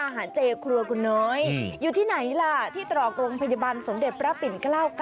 เจครัวคุณน้อยอยู่ที่ไหนล่ะที่ตรอกโรงพยาบาลสมเด็จพระปิ่น๙๙